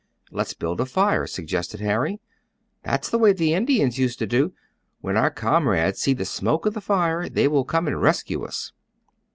"Let's build a fire," suggested Harry. "That's the way the Indians used to do. When our comrades see the smoke of the fire they will come and rescue us."